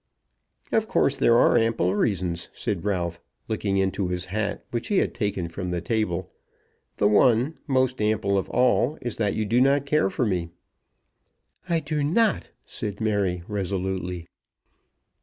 "Of course there are ample reasons," said Ralph, looking into his hat, which he had taken from the table. "The one, most ample of all, is that you do not care for me." "I do not," said Mary resolutely.